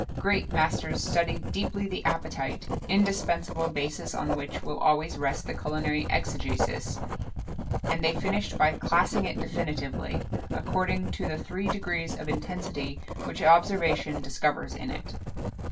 Great masters studied deeply the appetite indispensable basis, on which will always rest the culinary exegesis; and they finished by classing it definitively, according to the three degrees of intensity which observation discovers in it.